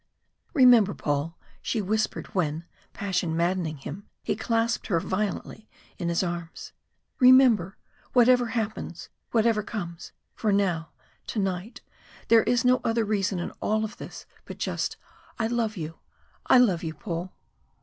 "Remember, Paul," she whispered when, passion maddening him, he clasped her violently in his arms "remember whatever happens whatever comes for now, to night, there is no other reason in all of this but just I love you I love you, Paul!"